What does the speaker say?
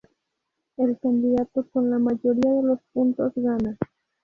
El candidato con la mayoría de los puntos gana.